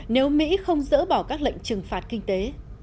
nếu mỹ không dỡ bỏ các lệnh trừng phạt kinh tế